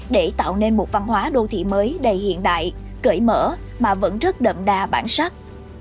để tạo nên một văn hóa đô thị mới đầy hiện đại cởi mở mà vẫn rất đậm đà bản sắc